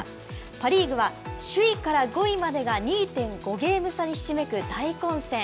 パ・リーグは、首位から５位までが２．５ゲーム差でひしめく大混戦。